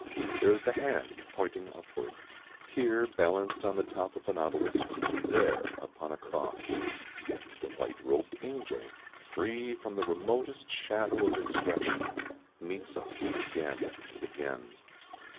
There is the hand pointing upward, here balanced on the top of an obelisk and there upon a cross. The white robed angel, free from the remotest shadow of expression, meets us again and again.